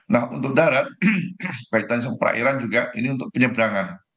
nah untuk darat berkaitan perairan juga ini untuk penyeberangan